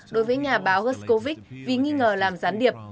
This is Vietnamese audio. đối với nhà báo guscovich vì nghi ngờ làm gián điệp